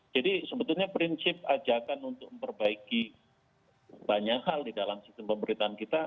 jadi sebetulnya prinsip ajakan untuk memperbaiki banyak hal di dalam sistem pemerintahan kita